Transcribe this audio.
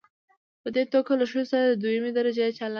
په دې توګه له ښځو سره د دويمې درجې چلن